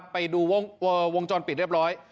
ไปดูวงจรปิดเรียบร้อย